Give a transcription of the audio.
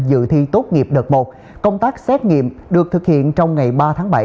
dự thi tốt nghiệp đợt một công tác xét nghiệm được thực hiện trong ngày ba tháng bảy